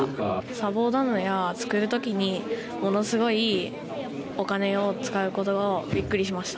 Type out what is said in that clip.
砂防ダムや作るときにものすごいお金を使うことがびっくりしました。